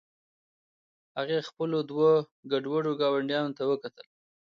هغې خپلو دوو ګډوډو ګاونډیانو ته وکتل